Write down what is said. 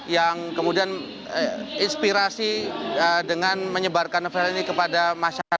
yang kemudian inspirasi dengan menyebarkan novel ini kepada masyarakat